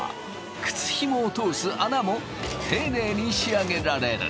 靴ひもを通す穴も丁寧に仕上げられる。